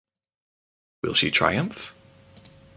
Will she triumph?